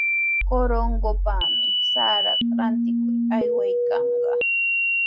Corongopami sarata rantikuq aywayanqa.